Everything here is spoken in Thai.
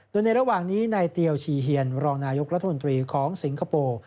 โดยในระหว่างนี้นายเตียวชีเฮียนรองนายกรัฐมนตรีของสิงคโปร์